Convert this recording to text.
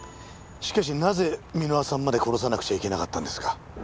しかしなぜ箕輪さんまで殺さなくちゃいけなかったんですか？